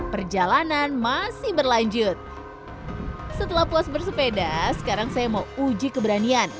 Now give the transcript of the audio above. perjalanan masih berlanjut setelah puas bersepeda sekarang saya mau uji keberanian